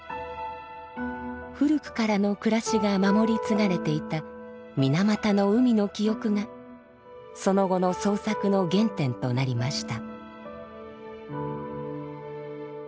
古くからの暮らしが守り継がれていた水俣の海の記憶がその後の創作の原点となりました。